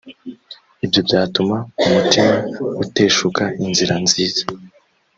ibyo byatuma umutima uteshuka inzira nziza.